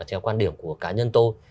theo quan điểm của cá nhân tôi